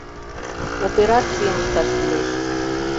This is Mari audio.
— Операцийым ышташ кӱлеш.